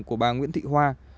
chú tại bản long phú xã triềng hắc